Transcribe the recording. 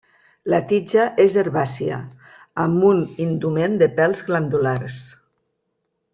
La tija és herbàcia, amb un indument de pèls glandulars.